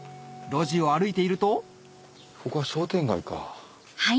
路地を歩いているとここは商店街か。